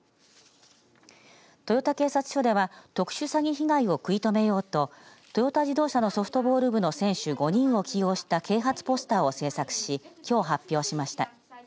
豊田警察署では特殊詐欺被害を食い止めようとトヨタ自動車のソフトボール部の選手５人を起用した啓発ポスターを作成しきょう発表しました。